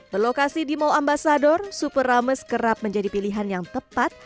berlokasi di mall ambasador super rames kerap menjadi pilihan yang tepat